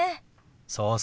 そうそう。